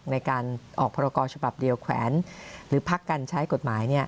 ในการออกพรกรฉบับเดียวแขวนหรือพักการใช้กฎหมาย